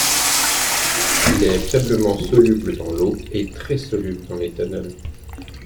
Il est faiblement soluble dans l'eau et très soluble dans l'éthanol.